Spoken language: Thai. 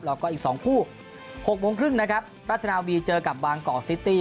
แล้วก็อีก๒คู่๖โมงครึ่งนะครับราชนาวีเจอกับบางกอกซิตี้